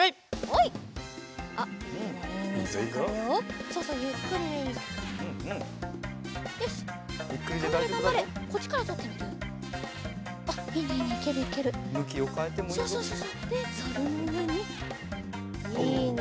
いいね。